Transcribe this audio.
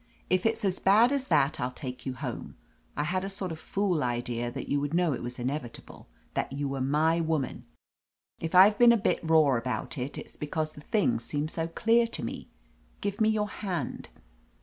If it's as bad as that I'll take you home. I had a sort of fool idea that you would know it was inevitable — that you were my woman. If I've been a bit raw about it, it's because the thing seemed so clear to me. Give me your hand."